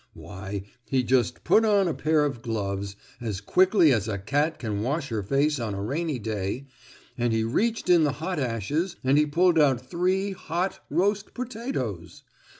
Why, he just put on a pair of gloves, as quickly as a cat can wash her face on a rainy day, and he reached in the hot ashes, and he pulled out three hot, roast potatoes.